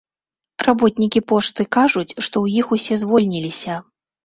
Работнікі пошты кажуць, што ў іх усе звольніліся.